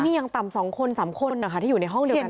นี่ยังต่ำ๒คน๓คนนะคะที่อยู่ในห้องเดียวกัน